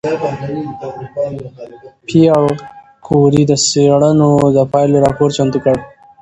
پېیر کوري د څېړنو د پایلو راپور چمتو کړ.